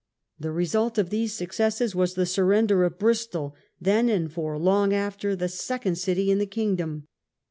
The result of these successes was the surrender of Bristol, then, and for long after, the second city in the kingdom.